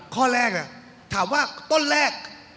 ข้อแรกถามว่าต้นแรก